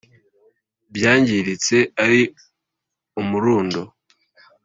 ibyangiritse ari umurundo